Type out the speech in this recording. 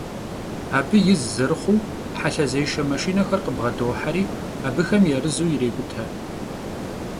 Abı yiz zerıxhuu, helhezêşşe maşşinexer khıbğedoheri, abıxem yarızu yirêk'ute.